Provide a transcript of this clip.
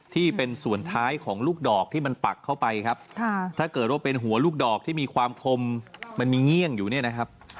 ที่เป็นส่วนท้ายของลูกดอกที่มันปักเข้าไปครับถ้าเกิดว่าเป็นหัวลูกดอกที่มีความคมมันมีเงี่ยงอยู่เนี่ยนะครับ